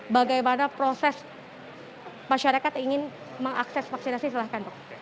bagaimana proses masyarakat ingin mengakses vaksinasi silahkan dok